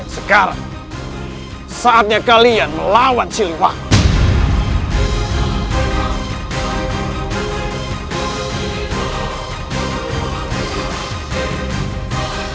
sekarang saatnya kalian melawan silva